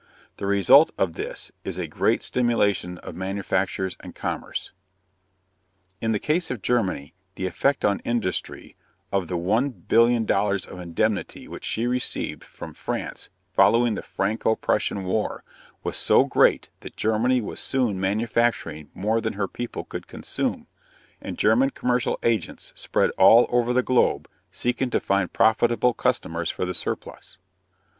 The result of this is a great stimulation of manufactures and commerce. In the case of Germany, the effect on industry of the $1,000,000,000 of indemnity which she received from France following the Franco Prussian war was so great that Germany was soon manufacturing more than her people could consume, and German commercial agents spread all over the globe seeking to find profitable customers for the surplus.